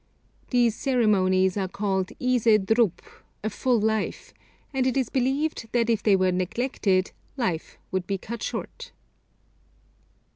These ceremonies are called ise drup (a full life), and it is believed that if they were neglected life would be cut short.